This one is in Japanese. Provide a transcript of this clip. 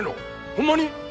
ホンマに？